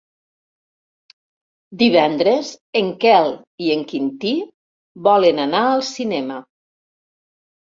Divendres en Quel i en Quintí volen anar al cinema.